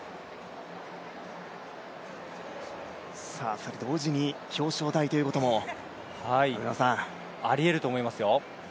２人同時に表彰台ということもありえると思いますよ。